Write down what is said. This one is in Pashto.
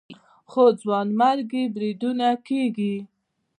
خو ځانمرګي بریدونه کېږي